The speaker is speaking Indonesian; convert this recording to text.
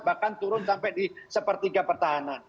bahkan turun sampai di sepertiga pertahanan